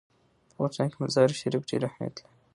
په افغانستان کې مزارشریف ډېر اهمیت لري.